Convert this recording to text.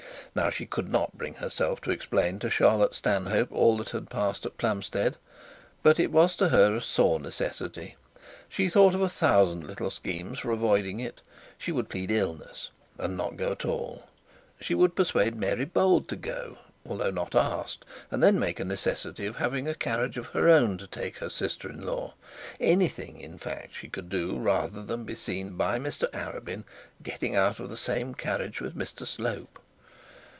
Now she could not bring herself to explain to Charlotte Stanhope all that had passed at Plumstead. But it was to her a sore necessity. She thought of a thousand little schemes for avoiding it; she would plead illness, and not go at all; she would persuade Mary Bold to go although not asked, and then make a necessity of having a carriage of her own to take her sister in law; anything, in fact, she could do rather than be seen in the same carriage with Mr Slope.